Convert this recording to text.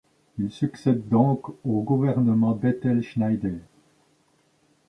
Il succède donc au gouvernement Bettel-Schneider.